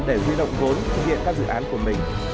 để huy động vốn thực hiện các dự án của mình